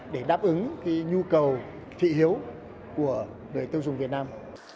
để đáp ứng nhu cầu thị hiếu của người tiêu dùng việt nam